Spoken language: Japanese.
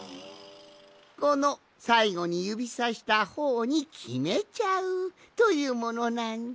このさいごにゆびさしたほうにきめちゃう！というものなんじゃ。